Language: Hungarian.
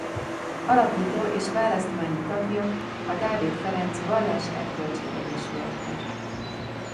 Alapító és választmányi tagja a Dávid Ferenc vallás-erkölcsi egyesületnek.